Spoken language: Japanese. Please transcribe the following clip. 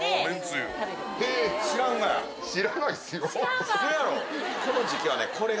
知らないっすよ。